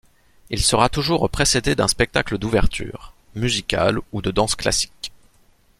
Il sera toujours précédé d'un spectacle d'ouverture, musical ou de danse classique.